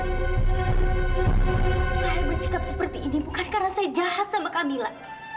saya bersikap seperti ini bukan karena saya jahat sama kamila